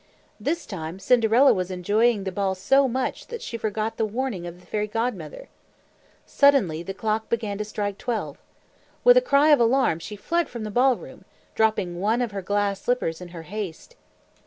This time Cinderella was enjoying the ball so much that she forgot the warning of the Fairy Godmother. Suddenly the clock began to strike twelve. With a cry of alarm she fled from the ball room, dropping one of her glass slippers in her haste.